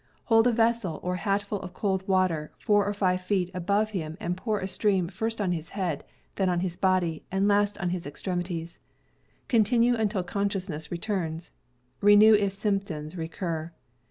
Hold a vessel or hatful of cold water four or five feet above him and pour a stream first on his head, then on his body, and last on his extremities. Continue until conscious ness returns. Renew if symptoms recur.